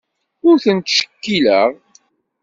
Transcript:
Ur ten-ttcekkileɣ.